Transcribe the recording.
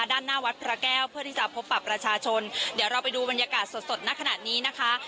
ด้านหน้าวัดพระแก้วเพื่อที่จะพบปรับประชาชนเดี๋ยวเราไปดูบรรยากาศสดสดณขณะนี้นะคะ